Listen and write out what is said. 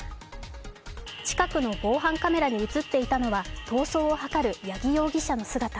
近くの防犯カメラに映っていたのは逃走を図る八木容疑者の姿。